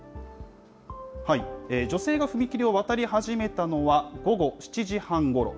女性が踏切を渡り始めたのは、午後７時半ごろ。